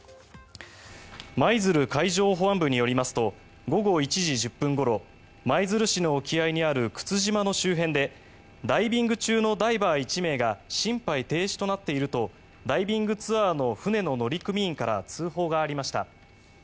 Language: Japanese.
舞鶴海上保安部によりますと午後１時１０分ごろ舞鶴市の沖合にある沓島の周辺でダイビング中のダイバー１名が心肺停止となっているとダイビングツアーの船の乗組員から通報がありました。